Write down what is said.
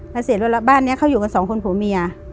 และเสร็จวันละบ้านเนี่ยเขาอยู่กันสองคนผู้เมีย